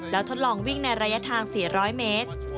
แล้วทดลองวิ่งในระยะทาง๔๐๐เมตร